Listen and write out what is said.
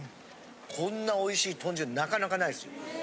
こんなおいしい豚汁なかなかないですよ。